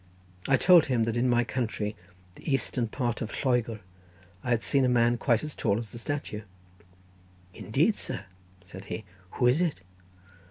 I told him that in my country, the eastern part of Lloegr, I had seen a man quite as tall as the statue. "Indeed, sir," said he; "who is it?"